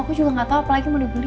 aku juga gak tau apa lagi mau dibeli